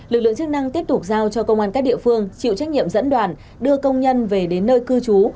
lực lượng chức năng tiếp tục giao cho công an các địa phương chịu trách nhiệm dẫn đoàn đưa công nhân về đến nơi cư trú